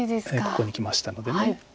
ここにきましたので。